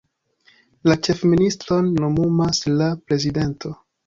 La ĉefministron nomumas la prezidento.